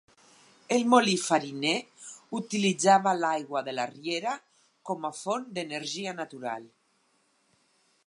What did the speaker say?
El molí fariner utilitzava l'aigua de la riera com a font d'energia natural.